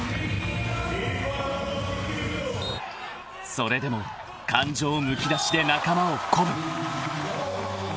［それでも感情むき出しで仲間を鼓舞］